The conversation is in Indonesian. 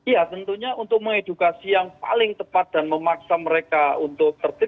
ya tentunya untuk mengedukasi yang paling tepat dan memaksa mereka untuk tertib